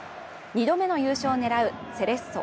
２度目の優勝を狙うセレッソ